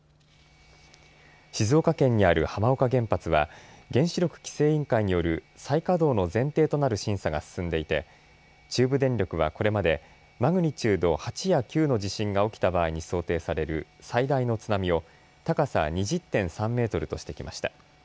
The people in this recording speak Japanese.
静岡県にある浜岡原発は原子力規制委員会による再稼働の前提となる審査が進んでいて中部電力はこれまでマグニチュード８や９の地震が起きた場合に想定される最大の津波を高さ２０．３メートルとしてきました。